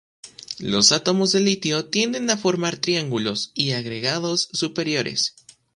Los átomos de litio tienden a formar triángulos y agregados superiores.